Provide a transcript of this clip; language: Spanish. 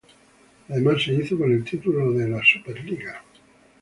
Además, se hizo con el título de la Superliga.